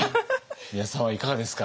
宮田さんはいかがですか？